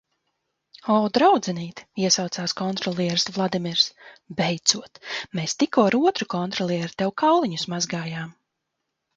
"O, draudzenīte," iesaucās kontrolieris Vladimirs. Beidzot, mēs tikko ar otru kontrolieri tev kauliņus mazgājām.